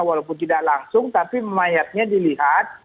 walaupun tidak langsung tapi mayatnya dilihat